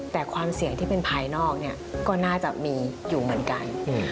แต่ความเสี่ยงที่เป็นภายนอกก็น่าจะมีอยู่เหมือนกัน